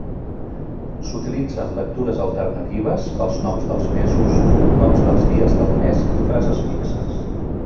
S'utilitzen lectures alternatives pels noms dels mesos, noms dels dies del mes, i frases fixes.